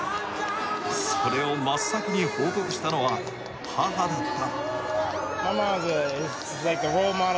それを真っ先に報告したのは母だった。